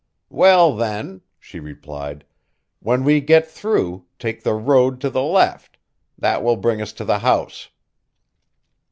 "Well, then," she replied, "when we get through, take the road to the left. That will bring us to the house."